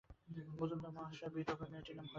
মজুমদার মহাশয়ের বিধবা মেয়েটির নাম হৈমবতী।